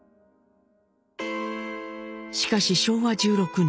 しかし昭和１６年。